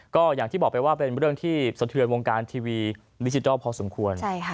ก็อย่างที่บอกไปว่าเป็นเรื่องที่สะเทือนวงการทีวีดิจิทัลพอสมควร